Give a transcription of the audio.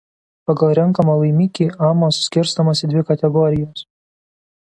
Pagal renkamą laimikį amos skirstomos į dvi kategorijas.